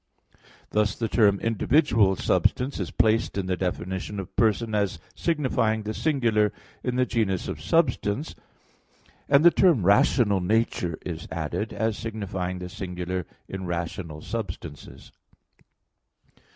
Thus the term "individual substance" is placed in the definition of person, as signifying the singular in the genus of substance; and the term "rational nature" is added, as signifying the singular in rational substances.